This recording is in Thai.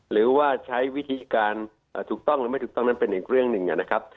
หรือว่าใช้วิธีการถูกต้องหรือไม่ถูกต้องนั้นเป็นอีกเรื่องหนึ่งนะครับ